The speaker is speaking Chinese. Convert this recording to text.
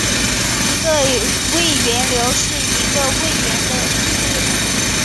一个位元流是一个位元的序列。